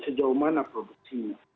sejauh mana produksinya